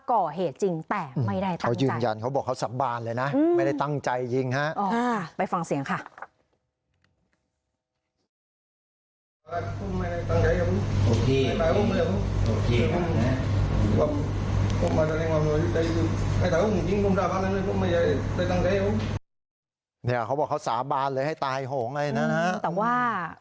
ก่อเหตุจริงแต่ไม่ได้ตั้งใจเขายืนยันเขาบอกเขาสาบานเลยนะ